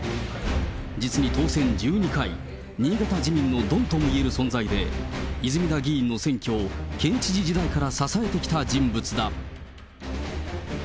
実に当選１２回、新潟自民のドンともいえる存在で、泉田議員の選挙を県知事時代から支えてきた人物だ。